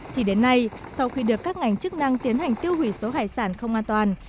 thì đến nay sau khi được các ngành chức năng tiến hành tiêu hủy số hải sản không an toàn